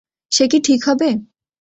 সে কি ঠিক হবে?